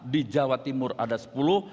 di jawa timur ada sepuluh